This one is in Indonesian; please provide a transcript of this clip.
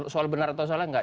soal benar atau salah nggak